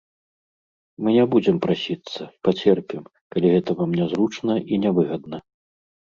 Мы не будзем прасіцца, пацерпім, калі гэта вам нязручна і нявыгадна.